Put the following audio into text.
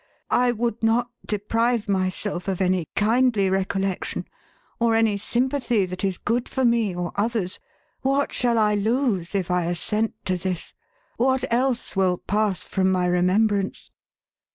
— I would not deprive myself of any kindly recollection, or any sympathy that is good for me, or others. What shall I lose, if I assent to this ? What else will pass from my remembrance